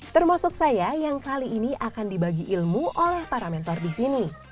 termasuk saya yang kali ini akan dibagi ilmu oleh para mentor di sini